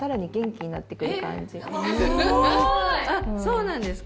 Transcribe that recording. あっそうなんですか？